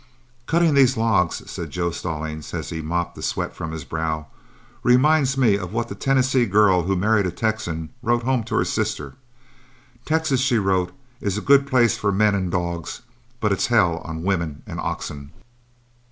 "Cutting these logs," said Joe Stallings, as he mopped the sweat from his brow, "reminds me of what the Tennessee girl who married a Texan wrote home to her sister. 'Texas,' so she wrote, 'is a good place for men and dogs, but it's hell on women and oxen.'"